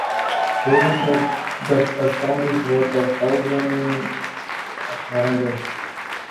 Davis wrote that "a song is worth a thousand harangues".